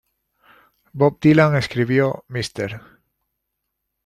Bob Dylan escribió "Mr.